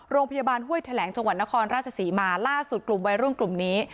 ห้วยแถลงจังหวัดนครราชศรีมาล่าสุดกลุ่มวัยรุ่นกลุ่มนี้